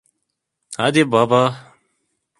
Hadi baba.